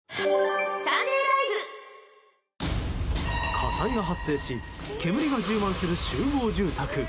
火災が発生し煙が充満する集合住宅。